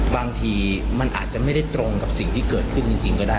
บางทีมันอาจจะไม่ได้ตรงกับสิ่งที่เกิดขึ้นจริงก็ได้